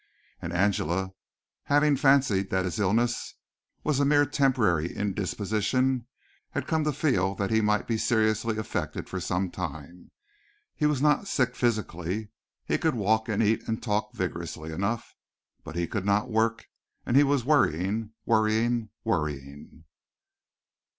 Angela, from having fancied that his illness was a mere temporary indisposition, had come to feel that he might be seriously affected for some time. He was not sick physically: he could walk and eat and talk vigorously enough, but he could not work and he was worrying, worrying, worrying.